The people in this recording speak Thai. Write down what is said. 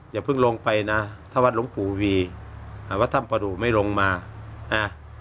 อย่าเพิ่งลงไปนะถ้าวัดหลวงปู่วีอ่าวัดถ้ำประดูกไม่ลงมาอ่า